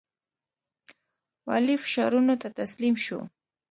والي فشارونو ته تسلیم شو.